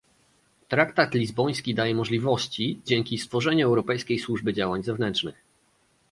Traktat lizboński daje możliwości dzięki stworzeniu Europejskiej Służby Działań Zewnętrznych